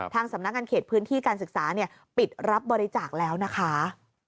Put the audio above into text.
สำนักงานเขตพื้นที่การศึกษาปิดรับบริจาคแล้วนะคะ